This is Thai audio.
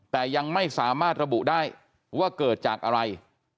แต่ยังไม่สามารถระบุได้ว่าเกิดจากอะไร